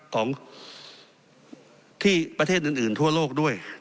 ของที่ประเทศอื่นทั่วโลกด้วย